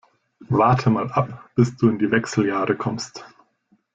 Warte mal ab, bis du in die Wechseljahre kommst.